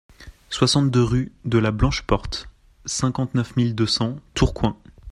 soixante-deux rue de la Blanche Porte, cinquante-neuf mille deux cents Tourcoing